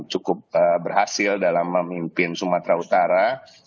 dan cukup berhasil dalam memimpin sumatera utara